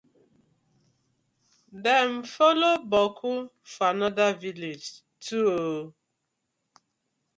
Dem follow boku for another villag too oo.